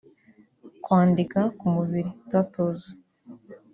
kwandika ku mubiri(tattoos)